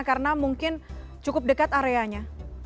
karena mungkin cukup dekat areanya